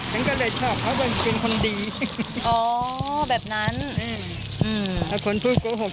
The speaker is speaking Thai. ฉันก็เลยชอบเขาเป็นคนดีอ๋อแบบนั้นอืมแล้วคนพูดโกหก